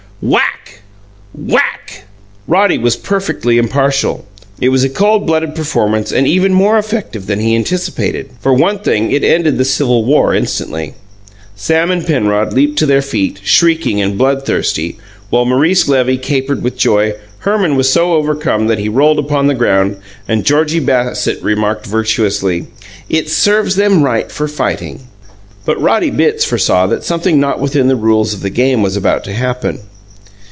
WHACK! WHACK! Roddy was perfectly impartial. It was a cold blooded performance and even more effective than he anticipated. For one thing, it ended the civil war instantly. Sam and Penrod leaped to their feet, shrieking and bloodthirsty, while Maurice Levy capered with joy, Herman was so overcome that he rolled upon the ground, and Georgie Bassett remarked virtuously: "It serves them right for fighting." But Roddy Bitts foresaw that something not within the rules of the game was about to happen.